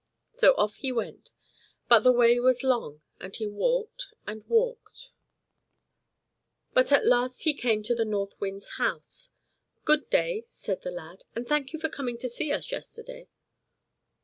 So off he went, but the way was long, and he walked and walked; but at last he came to the North Wind's house. "Good day!" said the lad, and "thank you for coming to see us yesterday."